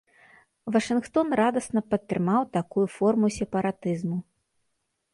Вашынгтон радасна падтрымаў такую форму сепаратызму.